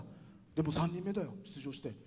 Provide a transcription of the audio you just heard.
でも３人目だよ、出場して。